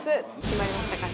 決まりましたか？